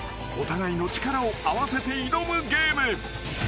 ［お互いの力を合わせて挑むゲーム］